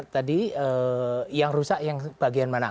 tadi yang rusak yang bagian mana